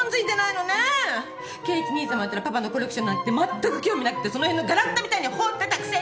圭一兄さまったらパパのコレクションなんてまったく興味なくてその辺のガラクタみたいに放ってたくせ